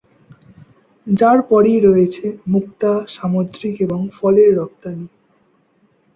যার পরেই রয়েছে মুক্তা, সামুদ্রিক এবং ফলের রপ্তানি।